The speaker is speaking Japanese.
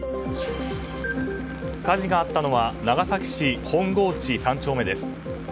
火事があったのは長崎市本河内３丁目です。